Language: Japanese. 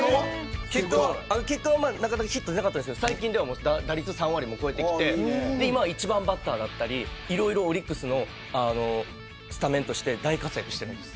結果はなかなかヒット打てなかったんですけど最近は打率３割を超えてきていろいろオリックスのスタメンとして大活躍しています。